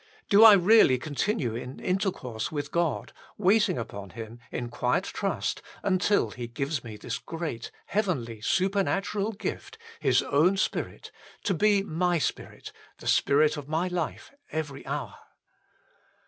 Do I really continue in intercourse with God, waiting upon Him, in quiet trust, until He gives me this great, heavenly, super natural gift, His own Spirit, to be niy spirit, the spirit of my life every hour